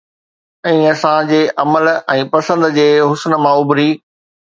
۽ اسان جي عقل ۽ پسند جي حسن مان اڀري